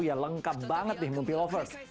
yang lengkap banget nih mumpi lovers